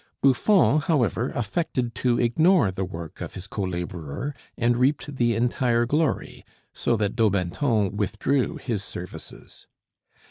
Buffon, however, affected to ignore the work of his co laborer and reaped the entire glory, so that Daubenton withdrew his services.